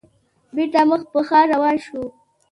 بېرته مخ په ښار روان شوو.